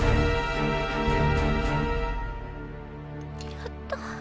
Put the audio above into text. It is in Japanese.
やった。